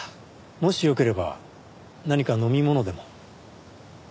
もしよければ何か飲み物でも。